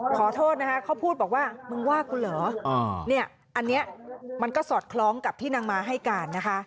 ขอโทษนะคะเขาพูดบอกว่ามึงว่ากูเหรอเนี่ยอันนี้มันก็สอดคล้องกับที่นางมาให้การนะคะ